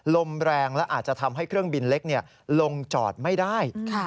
ลมแรงและอาจจะทำให้เครื่องบินเล็กลงจอดไม่ได้